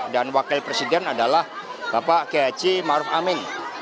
dan wakil presiden adalah bapak g h maruf amin